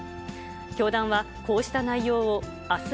教団はこうした内容をあす